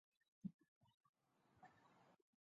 他也代表白俄罗斯国家足球队参赛。